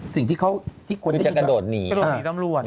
สิ่งที่เขากระโดดหนีตำรวจ